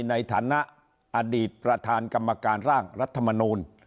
ในฐานะอดีตประธานกรรมการร่างรัฐมนูล